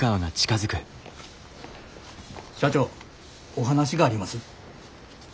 社長お話があります。